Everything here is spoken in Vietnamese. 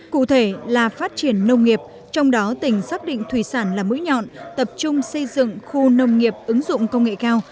cụ thể là phát triển nông nghiệp trong đó tỉnh xác định thủy sản là mũi nhọn tập trung xây dựng khu nông nghiệp ứng dụng công nghệ cao